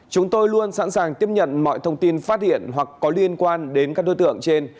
chúng tôi luôn sẵn sàng tiếp nhận mọi thông tin phát hiện hoặc có liên quan đến các đối tượng trên